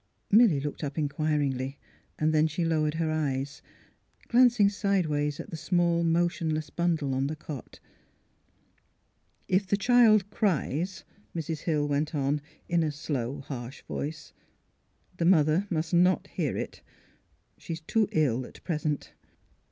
Milly looked up inquiringly; then she lowered her eyes, glancing sidewise at the small, motion less bundle on the cot. ^' If the child cries," Mrs. Hill went on, in a slow, harsh voice, '' the mother must not hear it. She is too ill at present."